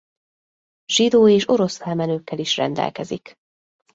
Zsidó és orosz felmenőkkel is rendelkezik.